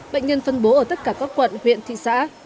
bệnh nhân phân bố ở tất cả các quận huyện thị xã